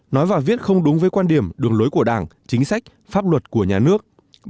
nói và viết không đúng với quan điểm đường lối của đảng chính sách pháp luật của nhà nước